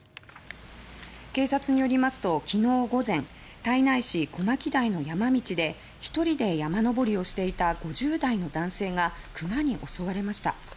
警察によりますと、昨日午前胎内市小牧台の山道で１人で山登りをしていた５０代の男性がクマに襲われました。